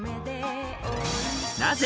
なぜ？